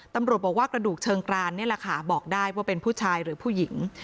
ตำรวจบอกว่ากระดูกเชิงกรานนี่แหละค่ะบอกได้ว่าเป็นผู้ชายหรือผู้หญิง